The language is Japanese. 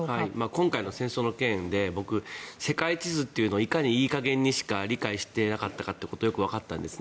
今回の戦争の件で世界地図というのをいかにいい加減にしか理解してなかったかということがよくわかったんです。